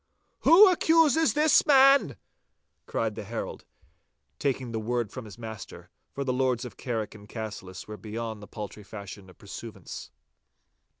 'Who accuses this man?' cried the herald, taking the word from his master, for the Lords of Carrick and Cassillis were beyond the paltry fashion of pursuivants.